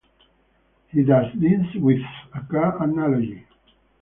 He does this with a car analogy.